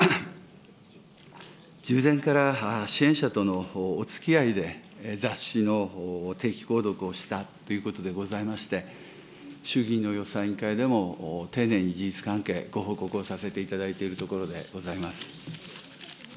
従前から支援者とのおつきあいで雑誌の定期購読をしたということでございまして、衆議院の予算委員会でも丁寧に事実関係、ご報告をさせていただいているところでございます。